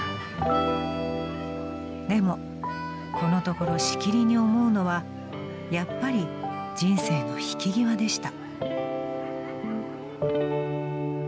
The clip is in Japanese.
［でもこのところしきりに思うのはやっぱり人生の引き際でした］